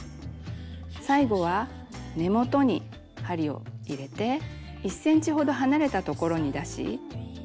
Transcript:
最後は根元に針を入れて１ｃｍほど離れたところに出し